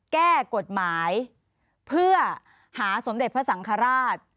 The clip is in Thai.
แก้กฎหมายเพื่อหาสมเด็จพระสังฆราช